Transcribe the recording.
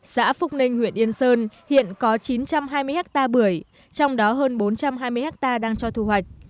xã phúc ninh huyện yên sơn hiện có chín trăm hai mươi hectare bưởi trong đó hơn bốn trăm hai mươi hectare đang cho thu hoạch